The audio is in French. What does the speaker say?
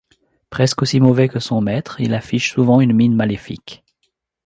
Presque aussi mauvais que son maître, il affiche souvent une mine maléfique.